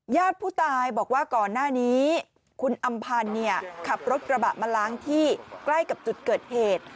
ญาติผู้ตายบอกว่าก่อนหน้านี้คุณอำพันธ์ขับรถกระบะมาล้างที่ใกล้กับจุดเกิดเหตุ